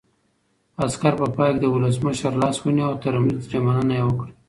عسکر په پای کې د ولسمشر لاس ونیو او ترې مننه یې وکړه.